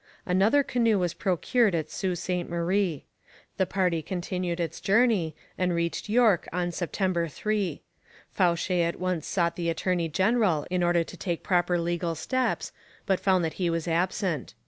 Another canoe was procured at Sault Ste Marie. The party continued its journey and reached York on September 3. Fauché at once sought the attorney general, in order to take proper legal steps, but found that he was absent.